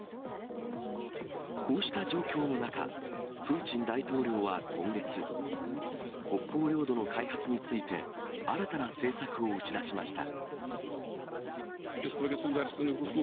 こうした状況の中、プーチン大統領は今月、北方領土の開発について、新たな政策を打ち出しました。